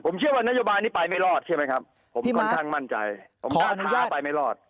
ผมเชื่อว่านโยบายนี้ไปไม่รอดใช่ไหมครับผมค่อนข้างมั่นใจผมขออนุญาตไปไม่รอด